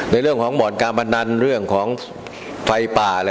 ในเรื่องของหมอนกาบปัญชน์เรื่องของไฟป่าอะไรเหล่านี้